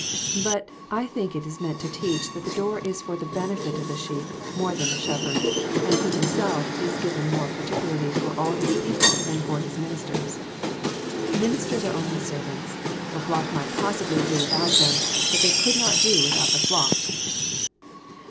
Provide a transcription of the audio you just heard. But I think it Is meant to teach that the Door is for the benefit of the sheep more than the shepherd, und that He Himself is given more particularly for all His people than for His ministers. Minis ters are only servants. The fiock might possibly do without them, but they could not do without the fiock.